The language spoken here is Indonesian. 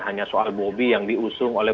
hanya soal bobi yang diusung oleh